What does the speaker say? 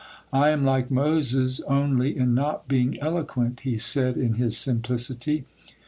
'I am like Moses only in not being eloquent,' he said in his simplicity.